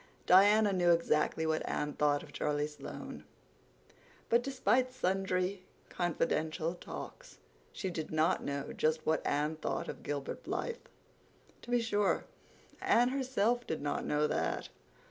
Diana knew exactly what Anne thought of Charlie Sloane; but, despite sundry confidential talks, she did not know just what Anne thought of Gilbert Blythe. To be sure, Anne herself did not know that.